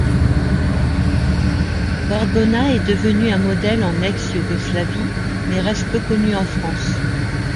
Gorgona est devenu un modèle en ex-Yougoslavie mais reste peu connu en France.